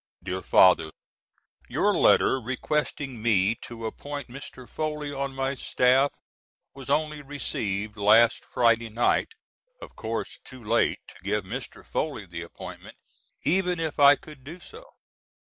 DEAR FATHER: Your letter requesting me to appoint Mr. Foley on my staff was only received last Friday night, of course too late to give Mr. Foley the appointment even if I could do so.